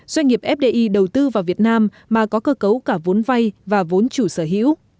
doanh nghiệp fdi đầu tư vào việt nam mà có cơ cấu cả vốn vay và vốn chủ sở hữu